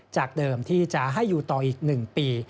จากเดิมที่จะให้อยู่ต่ออีก๑ปี